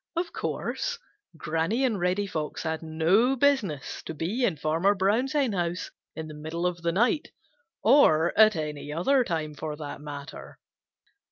Of course, Granny and Reddy Fox had no business to be in Farmer Brown's henhouse in the middle of the night, or at any other time, for that matter.